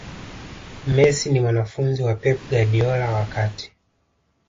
messi ni mwanafunzi wa pep guardiola wakati